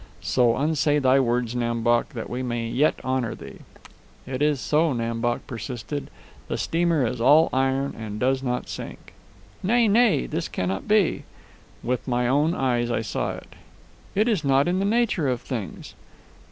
So unsay thy words, Nam Bok, that we may yet honor thee." "It is so," Nam Bok persisted. "The steamer is all iron and does not sink." "Nay, nay; this cannot be." "With my own eyes I saw it." "It is not in the nature of things."